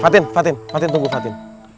fatin fatin fatin tunggu fatin